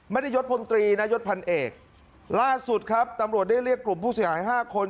ยศพลตรีนะยศพันเอกล่าสุดครับตำรวจได้เรียกกลุ่มผู้เสียหายห้าคน